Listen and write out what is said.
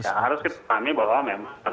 ya harus kita pahami bahwa memang